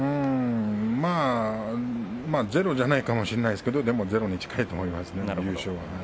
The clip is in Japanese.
まあゼロじゃないかもしれませんがゼロに近いと思います、優勝は。